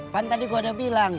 pada saat itu saya sudah bilang